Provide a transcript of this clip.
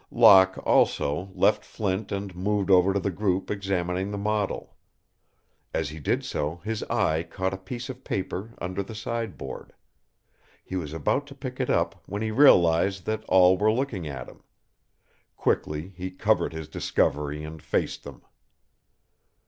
Locke, also, left Flint and moved over to the group examining the model. As he did so his eye caught a piece of paper under the sideboard. He was about to pick it up when he realized that all were looking at him. Quickly he covered his discovery and faced them.